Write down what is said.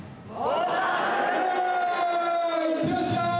いってらっしゃい！